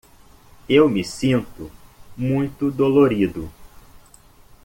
Eu me sinto muito dolorido.